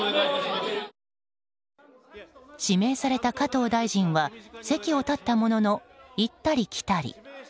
指名された加藤大臣は席を立ったものの行ったり来たり。